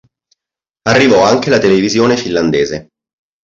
Arrivò anche la televisione finlandese.